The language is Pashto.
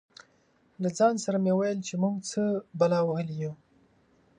له ځان سره مې ویل چې موږ څه بلا وهلي یو.